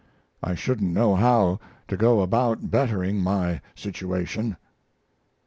I shouldn't know how to go about bettering my situation.